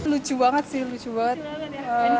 lucu banget sih lucu banget